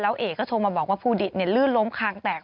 แล้วเอกก็โทรมาบอกว่าภูดิษฐ์เนี่ยลื่นล้มคางแตก